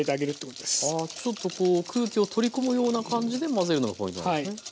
ちょっと空気を取り込むような感じで混ぜるのがポイントなんですね。